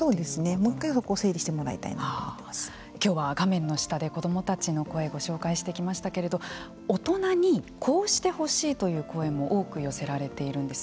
もう１回整理してもらいたいなと今日は画面の下で子どもたちの声をご紹介してきましたけれども大人にこうしてほしいという声も多く寄せられているんです。